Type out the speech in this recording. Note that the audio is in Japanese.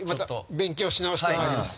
勉強し直してまいります。